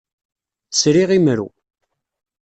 Sriɣ imru.